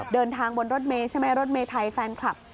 เดินทางบนรถเมย์ใช่ไหมรถเมไทยแฟนคลับ